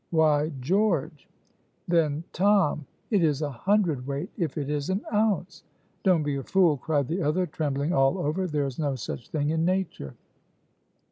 Why, George!" "Then, Tom! it is a hundred weight if it is an ounce!" "Don't be a fool," cried the other, trembling all over; "there is no such thing in nature."